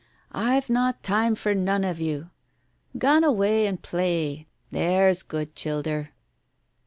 "I've not time for none of you. Gan awa' and play, there's good childer